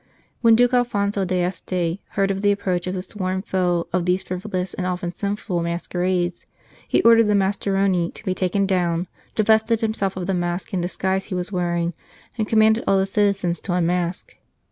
When Duke Alphonso d Este heard of the approach of the sworn foe of these frivolous and often sinful masquerades, he ordered the mascheroni to be taken down, divested himself of the mask and disguise he was wearing, and commanded all the citizens to unmask.